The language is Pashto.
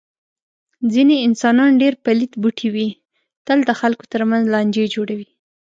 ځنې انسانان ډېر پلیت بوټی وي. تل د خلکو تر منځ لانجې جوړوي.